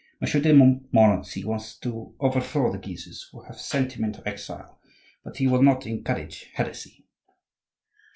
Monsieur de Montmorency wants to overthrow the Guises, who have sent him into exile, but he will not encourage heresy."